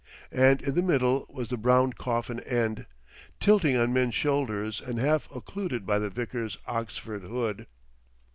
And in the middle was the brown coffin end, tilting on men's shoulders and half occluded by the vicar's Oxford hood.